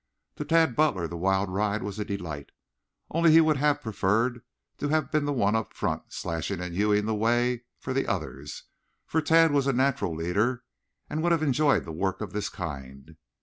To Tad Butler the wild ride was a delight, only he would have preferred to be the one up in front, slashing and hewing the way for the others, for Tad was a natural leader and would have enjoyed work of this kind.